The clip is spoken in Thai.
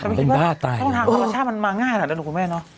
แต่ไม่คิดว่าทางธรรมชาติมันมาง่ายหรือหรือไม่เนอะ